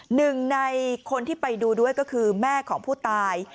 หนึ่งในคนที่ไปดูด้วยก็คือแม่ของผู้ตาย